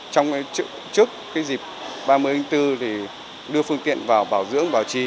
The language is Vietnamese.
trước dịp ba mươi bốn đưa phương tiện vào bảo dưỡng bảo trì